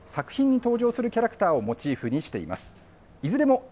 作品に登場するキャラクターをモチーフにしています。